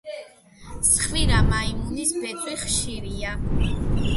ცხვირა მაიმუნის ბეწვი ხშირია.